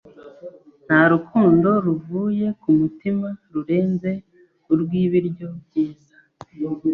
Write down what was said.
Nta rukundo ruvuye ku mutima rurenze urw'ibiryo byiza